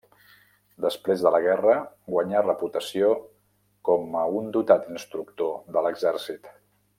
Després de la guerra guanyà reputació com a un dotat instructor de l'exèrcit.